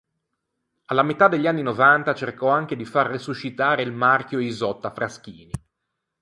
Alla metà degli anni novanta cercò anche di far resuscitare il marchio Isotta Fraschini.